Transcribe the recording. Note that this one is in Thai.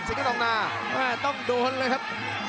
สิงค์กระนองหน้าต้องโดนเลยครับ